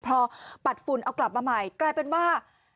พอปัดฝุ่นเอากลับมาใหม่กลายเป็นว่า